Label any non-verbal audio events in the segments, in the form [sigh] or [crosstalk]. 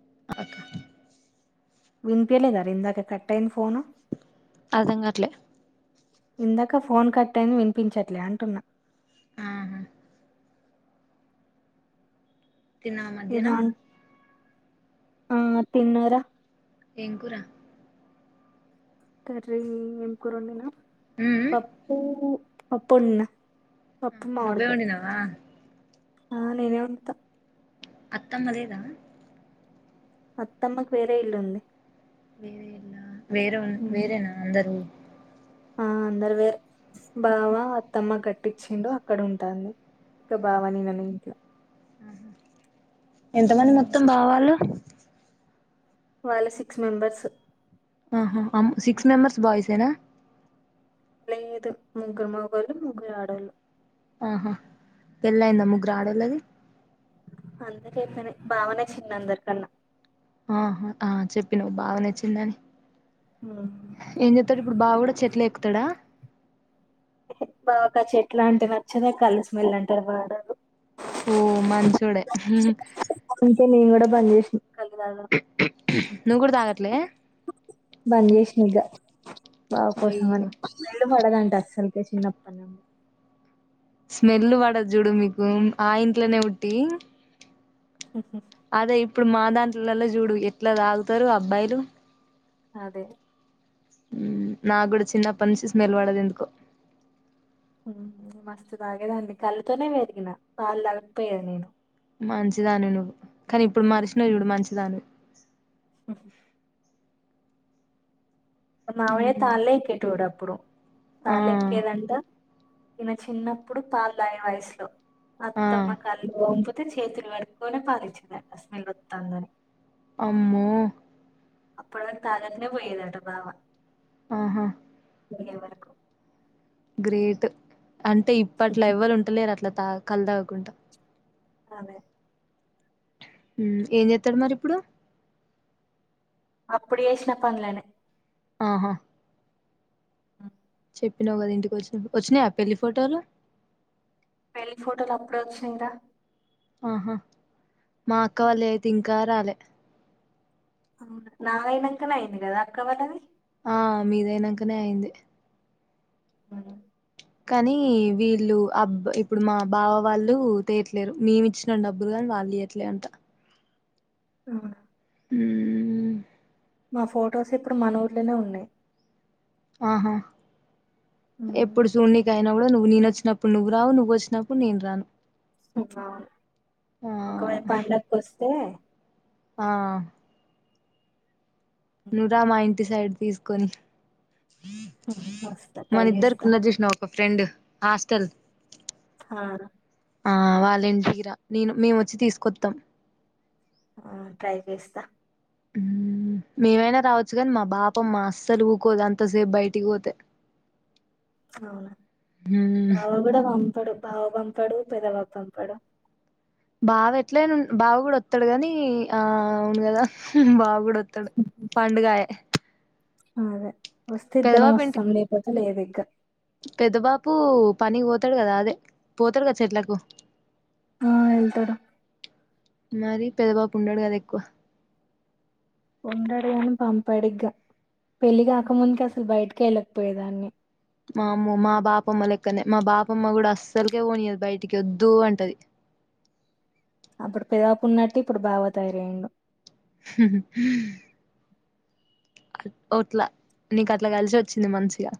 క [unintelligible] వినిపియ్యలేదారా ఇందాక cut ఆఇంది phone అర్థంగాట్లే ఇందాక ఫోన్ కట్ అయింది వినిపించట్లే అంటున్నా ఆహా తిన్నావ ఏదో మధ్యాహ్నం అన్ ఆ తిన్నార ఏంకురా కర్రీ ఎం కూర వండినా ఉమ్ పప్పూ పప్పు వండిన నువ్వేవండి నావా ఆ నేనే వండుతా అత్తమ్మలేదా అత్తమ్మకి వేరే ఇల్లుంది వేరే ఉమ్. వేరేనా అందరు ఆ అందరు వేరే బావ అత్తమ్మ కట్టించిిండు అక్కడ ఉంటుంది ఇంకా బావని నన్న ఇంట్లో ఎంత మంది మొత్తం బావ వాళ్ళు వాళ్ళ సిక్స్ మెంబర్స్ ఆహా అమ్ సిక్స్ మెంబర్స్ బాయ్స్ ఏనా లేదు ముగ్గురు మొగోళ్ళు ముగ్గురు ఆడోళ్ళు ఆహా పెళ్ళయిందా ముగ్గురు ఆడోళ్ళది అందరే బావనే చిన్న అందరి కన్నా ఆ ఆ చెప్పి నువ్వు బావనే చిన్న అని ఉమ్. ఏం చెత్తడు ఇప్పుడు బావ కూడా చెట్లు ఎక్కుతాడా బావాకు ఆ చెట్లా అంటే నచ్చందు ఆ కళ్ళుస్మెల్ అంటేనే పడదు ఓ మంచోడే బంచేసి నువ్వు కూడాతాగట్లే బందుచేసిన ఇగ బావ కోసం అయ్యో అని పడదంటే అసలుకే చిన్నప్పటి నుండి స్మెల్ పడద్ చూడు మీకు ఆ ఇంట్లోనే పుట్టి స [unintelligible] అదే ఇప్పుడు మా దాంట్లలలో చూడు ఎట్లా తాగుతారు అబ్బాయిలు. అదే ఊ నా కూడా చిన్నప్ప నుంచి స్మెల్ పడదు ఎందుకో మస్తు తాగేదాన్ని. కళ్ళుతోనే పెరిగిన, పాలు తాగకపోయే నేను. మంచిదానువు నువ్వు, కానీ ఇప్పుడు మార్సిన చూడు. మంచిదాన్ని బ [inaudible] ఆ మా మావయ్య తాళ్ళే ఎక్కేటోడు. అప్పుడు ఆ తాళ్లే ఎక్కేదంట ఈయన చిన్నప్పుడు పాలు తాగిన వయసులో ఆ అత్తమ్మ కల్లు చేతులు కడుక్కుని పాలేచ్చిందంట. స్మెల్ వత్తాందని అమ్మో అప్పుడు తాగన్నే పోయనట బావ ఆహా తె వనకు గ్రేట్ అంటే ఇప్పట్లో ఎవ్వరు ఉంటలేరు. అట్లా ఆ కల్లు తాక్కుంటా అదే ఏం చేస్తాడు మరి ఇప్పుడు. అప్పుడేసిన పనలేనే ఆహా చెప్పినావు కదా ఇంటికి వచ్చిన వచ్చినాయ, పెళ్ళి ఫోటోలు. పెళ్లి ఫోటోలు అప్పుడు వచ్చాందా ఆహా మా అక్క వాళ్ళు అయితే ఇంకా రాలే. అవును నాయినాంకనే అయింది కదా అక్క వాళ్ళది. ఆ మీదయినాకనే అయింది. అ కానీ వీళ్ళు అబ్బ ఇప్పుడు మా బావ వాళ్ళు తేయట్లేరు. మేమి ఇచ్చిన డబ్బులు కాని వాళ్ళు తీయట్లే అంట. అవునా ఊ హ మా ఫొటోస్ ఇప్పుడు మాన ఊర్లోనే ఉన్నాయి. ఆహా ఉమ్. ఎప్పుడు సూన్నికైన నువ్వు నేను వచ్చినప్పుడు నువ్ రావు, నువ్వు వచ్చినప్పుడు నేను రాను. [unintelligible] ఆ ఒకవైపు పండకు వస్తే ఆ నుూరామయం డి సైడ్ తీసుకొని ఉమ్ వస్త ట్రై జేస్త రెండు హాస్టల్ హా ఆ వాలింటికిరా నేను మేము ఒచ్చి తీసుకొత్తం ఆ ట్రై జేస్త ఊమ్ మేమైనా రావోచ్చు గని మా బాపమ్మ అస్సలు ఊకోదు అంతసేపు బయటికి బోతే ఔనా బావ గుడా పం పడు బావ పంపడు పెద బాపూ పంపడు బావ ఎట్లైనా ఉన్ బావ గుడా ఒత్తడు గనీ ఆ ఔను గదా బావ గుడా త్తడు పండుగాయే అ అదే ఒస్తే ఇద్దరం ఒస్తాం లేపొతే లేది కా పెద్ద బాపూ పనికి పోతడు గదా అదె పోతడు గదా చెట్లకు ఆ వెళ్తడు మరి పెద్దబాపు ఉండడు గదా ఎక్కువ ఉండడుగని పంపాడిగా పెళ్ళి కాకముందుకి అసలు బయటకి ఎళ్ళకపోయేదాన్ని వామ్మో మా బాపమ్మ లెక్కనే మా బాపమ్మ గుడా అస్సలకే పోనియదు బయటికి వద్దూ అంటది అప్పుడు పెదబాపు ఉన్నట్టు ఇప్పుడు బావ తయారైండు [inaudible] అ ఒట్ల నీకు అట్ల కలిశి ఒచ్చింది మంచిగా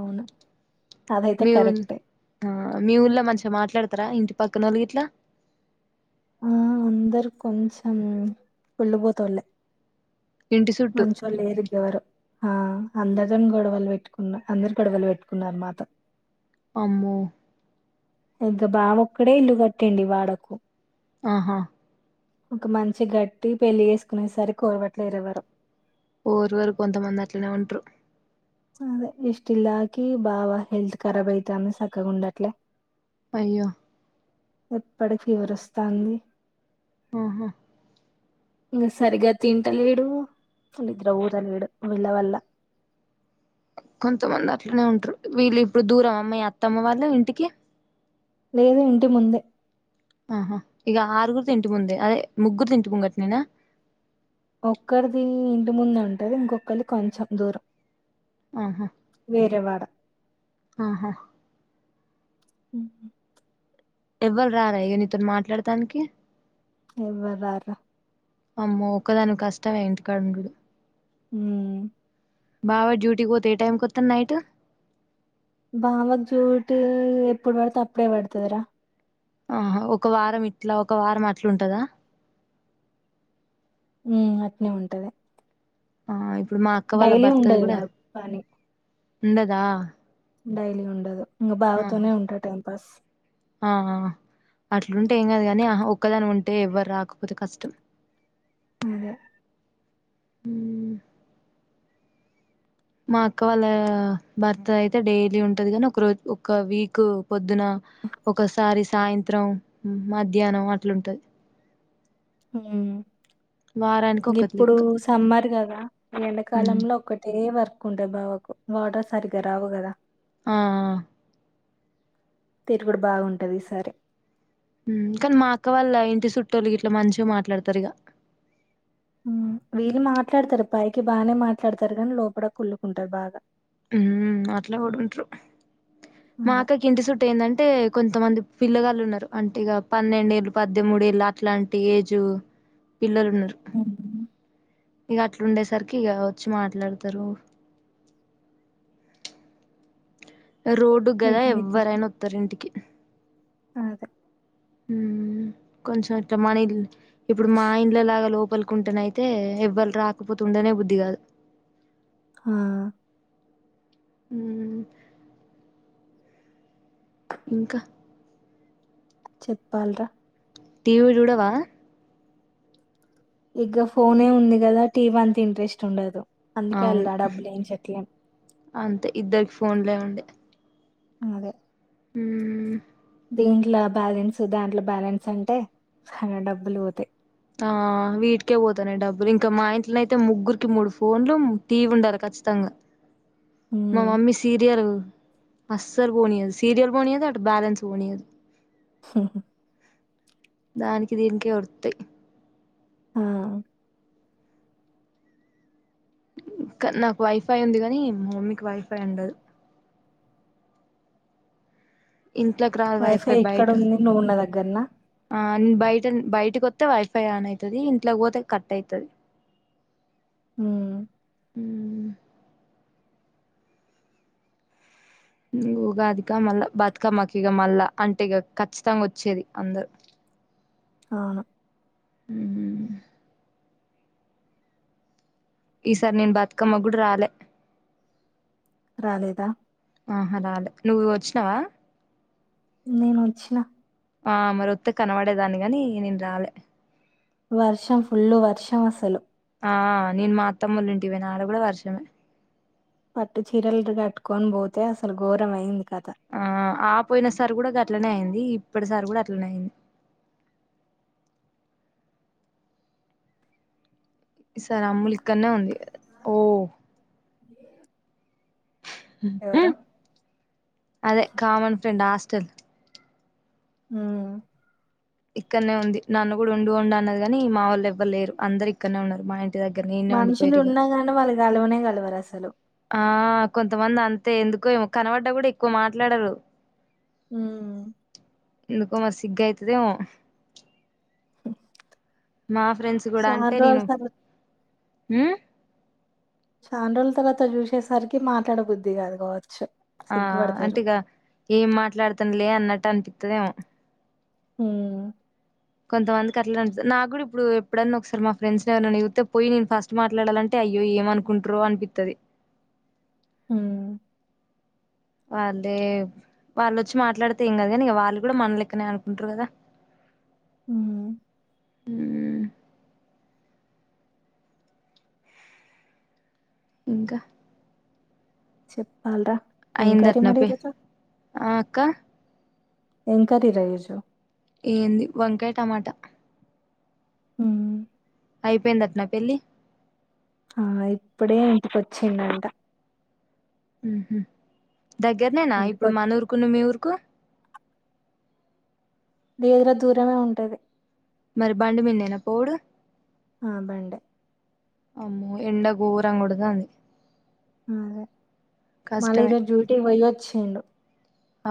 ఔను మీ ఉ ఆ మీ ఊళ్ళ మంచిగ మాట్లాడ్ తరా ఇంటి పక్కనోళ్లు గిట్ల ఆ అందరు కొంచం కుళ్ళుబోతోల్లే ఇంటి చుట్టూ మంచోళ్ లేరు ఇగ ఎవరు ఆ అందరితోని గొడవలు వెట్టుకున్న అందరు గొడవలు వెట్టుకున్నరు మాతో అమ్మో ఇంగ బావొక్కడే ఇల్లు కట్టిండు ఇ వాడకు అహా ఒక మంచి గట్టి పెళ్లి చేస్కునేసరికి ఓర్వట్లేదు ఓర్వరు కొంతమంది అట్లనే ఉంట్రు అదే ఇస్ట్ ఇల్లాకి బావ హెల్త్ కరాబైతాంది సక్కగుండట్లే అయ్యో ఎప్పుడి ఫీవర్ ఒస్తాంది ఆహా ఇంగ సరిగా తింటలేడు నిద్ర పోతలెడు వీళ్ళ వల్ల కొంతమంది అట్లనే ఉంట్రు వీళ్ళు ఇప్పుడు దూరమా మీ అత్తమ్మ వాళ్ళు ఇంటికి లేదు ఇంటి ముందే ఆహా ఇగ ఆరుగురిదింటి ముందే అదే ముగ్గురు ఇంటి ముంగట్నేనా ఒక్కర్ది ఇంటి ముందు ఉంటుంది ఇంకొకల్ది కొంచెం దూరం ఆహా రెవాడ ఆహా ఉ ఎవ్వరు రారా ఇగ నీతోను మాట్లతానికి ఎవ్వర్ రార్ రా అమ్మో ఒకదానివె కష్టమె ఇంటి కాడ ఉండుడు. హు బావ డ్యూటీకి పోతే ఏ టైంకి వత్తడ్ నైట్ బావకి డ్యూటీ ఎప్పుడు పడతే అప్పుడే పడతదిరా ఆహా ఒక వారం ఇట్లా ఒక వారం అట్లుంటదా ఉహు అట్నే ఉంటది. ఆ ఇప్పుడు మా అక్క వాళ్ళ డైలీ భర్తది ఉండదు కూడా ఆ పని ఉండదా డైలీ ఉండదు. ఇంకా ఆహా బావతోనే ఉంటటన్. బస్ ఆ ఆ, అట్లుంటే ఏం కాదు కానీ అహ్ ఒక్కదానివి ఉంటే ఎవ్వర్ రాకపోతే కష్టం. ఉదే హు మా అక్క వాళ్ళ భర్త అయితే డైలీ ఉంటది కానీ ఒక రోజు ఒక వీక్ పొద్దున, ఒకసారి సాయంత్రం, మధ్యానం అట్లాంటుది. ఉమ్, ఒకటి గిప్పుడు లెక్క సమ్మర్ కదా ఆ ఉమ్ ఎండాకాలంలొ ఒక్కటే వర్క్ కుంట బావుకు, వాటర్ సరిగ్గా రావు కదా. ఆ ఆ తిరుగుడు బావుంటది, ఈసారి హు, కానీ మా అక్క వాళ్ళ ఇంటి చుట్టూలొ ఇట్ల మంచిగా మాట్లాడతర్ ఇగ ఉ, వీళ్ళు మాట్లాడతరు పైకి బానే మాట్లాడతారు కాని లోపల కుల్లుకుంటారు బాగా హు అట్లా కూడ్ ఉంట్రు మా అదే. అక్కకి ఇంటి చుట్టూ ఏందంటే కొంతమంది పిల్లగాల్లు ఉన్నారు, అంటే ఇగ పన్నెండేళ్ళు, పద్దెమూడెళ్ళ అట్లాంటి ఏజ్ పిల్లలున్నరు హ్మ్. ఇగ అట్లా ఉండేసరికి ఇగ వచ్చి మాట్లాడుతరు. రోడ్డుగ్ గదా బెటర్ అయితే. ఎవ్వరైనా వత్తరు ఇంటికి. అదే హు, కొంచెం ఇట్ల మనయ్ ఇల్ ఇప్పుడు మా ఇండ్ల లాగ లోపలికుంటేనైతే ఎవ్వర్ రాకపోతు ఉండనే బుద్ధి కాదు. హా ఉ ఇంకా చెప్పాల్ రా టీవీ చూడవా ఇగ ఫోనే ఉంది కదా టీవంతా ఇంట్రెస్ట్ ఉండదు. అందుకే అవును, అల్ల హు డబ్బులేయించట్లేం. అంతే ఇద్దర్ ఫోన్లే ఉండె అదే హూ దీంట్లో బ్యాలెన్స్ దాంట్లో బ్యాలెన్స్ అంటే, సగం డబ్బులు పోతయ్. ఆ వీటికే పోతనయ్ డబ్బులు ఇంకా మా ఇంట్లనైతే ముగ్గురికి మూడు ఫోన్లు టీవీ ఉండాల ఖచ్చితంగా మా హ్మ్. మమ్మీ సీరియాల్ అస్సలు పోనీ యది సీరియల్ పోనియది అటు బ్యాలంస్ పోనీయది హా హా దానికి దీనికి ఓడుతయ్ ఆ ఇంకానాకు వైఫై ఉంది కానీ మీకు వైఫై ఉండదు ఇంట్లోకి రాదు వైఫై బయట ఎక్కడుంది? నువ్వు ఉన్న దగ్గరనా? ఆ బయట బయటకి తో వైఫై ఆన్ అవుతుది ఇంట్లో పోతే కట్ అయితుది ఉమ్ ఇగా ఉగాది క మళ్ళా బతుకమ్మకి ఇక మళ్ళా అంటే ఇక ఖచ్చితంగా వచ్చేది అందరు అవును ఊమ్ ఈసారి నేను బతుకమ్మ కూడ రాలే రాలేదా? ఆహరాలే నువ్వు వచ్చినవా నేను వచ్చిన ఆ మరొత్తే కనబడేదాన్ని గాని నేను రాలే వర్షం ఫుల్ వర్షం అసలు ఆ నేను మా అత్తమ్మోలింటికిపోయినా ఆడ కూడా వర్షమే పట్టు చీరలు కట్టుకొని పోతే అసలు ఘోరం అయింది కథ ఆ ఆపోయిన సరి కూడా గట్లనే అయింది ఇప్పటిసారి కూడా అట్లనేయింది సార్ అమ్ములు ఇక్కనే ఉంది ఓ అ ఆహ్ హ అదే కామన్ ఫ్రెండ్ ఆస్ తల్ ఊమ్ ఇక్కనే ఉంది నాన్ను కూడా ఉండి ఉండు అన్నది కాని మా వాళ్ళు ఎవ్వరు లేరు అందరు ఇక్కనే ఉన్నారు మా ఇ మనుషులు ఉన్నా కానీ వాళ్ళు కలవనే గలవరు అసలు ఆ కొంతమంది అంతే ఎందుకో ఏమో కనబడ్డ కూడా ఎక్కువ మాట్లాడరు ఊమ్ ఎందుకో మ సిగ్గాయితదేమో మా ఫ్రెండ్స్ కూడా చాన్ అంటే రోజుల నేను తర్వా ఉ శాన్ రోజుల తర్వాత చూసేసరికి మాట్లాడబుద్ది కాదు కావచ్చు ఆ అంటే సిగ్గుపడతారు ఇగా ఏం మాట్లాడుతాను లే అన్నట్ తనిపితదేమో ఊమ్ కొంతమందికి అట్ల అనిపితది నా కూడా ఇప్పుడు ఎప్పుడన్నా ఒకసారి మా ఫ్రెండ్స్ ఎవర్ననా జూతే పోయి నేను ఫస్ట్ మాట్లాడాలంటే అయ్యో ఏమ అనుకుంట్రో అనిపితది ఊమ్ వాళ్ళే వాళ్ళొచ్చి మాట్లాడితే ఏం కదు కానీక వాళ్ళు కూడా మన లెక్కనే అనుకుంటారు కదా ఊమ్ హూ ఇంకా చెప్పాలి రా అయిందటన పె ఆ అక్క ఏం కర్రీ రా ఈ రోజు ఏంది వంకాయ, టమాటా హూ అయిపోయింది అట నా పెళ్ళి ఆ ఇప్పుడే ఇంటికొచ్చిండంట ఊహు దగ్గరనేనా ఇంటికి ఇప్పుడు వచ్చి మన ఊరుకు మీ ఊరుకు లేదు రా దూరమే ఉంటది మరి బండి మిందేనా పోవుడు ఆ బండే అమ్మో ఎండ గోరం కొడతంది అదే మళ్ళీ ఈరోజు డ్యూటీ వెయ్యాచుండు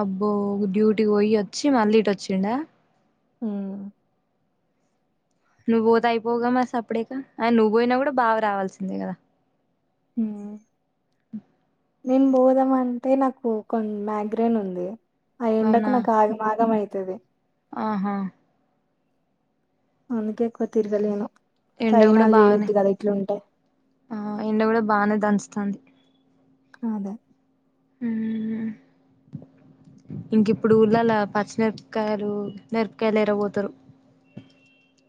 అబ్బో డ్యూటీకి పోయి వచ్చి మళ్ళీ ఇట వచ్చిండ హు నువ్వు పోతే అయిపోగా మ సప్పుడేక అ నువ్వు పోయినా కూడా బావా రావాల్సిందే కదా హు నేను బోదామ అంటే నాకు కొ మ్యాగ్రైన్ ఉంది. ఆ ఎండకు అవునా నాకు ఆగ ఆగమైంది. తది ఆహా అందుకే ఎక్కువ తీరగలేను ఎండ కూడా బాగానే ఆ ఎండ కూడా బాగానే దన్ తంది అదే హు ఇంక ఇప్పుడు ఉల్లాల పచ్చిమిరపకాయలు మీరపకాయలు ఎర పోతారు.